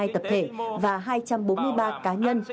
bốn trăm một mươi hai tập thể và hai trăm bốn mươi ba cá nhân